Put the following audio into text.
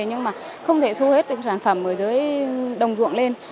nhưng mà không thể thu hết sản phẩm ở dưới đồng ruộng lên